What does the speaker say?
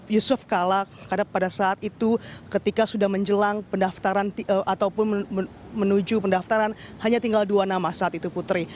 yusuf kala karena pada saat itu ketika sudah menjelang pendaftaran ataupun menuju pendaftaran hanya tinggal dua nama saat itu putri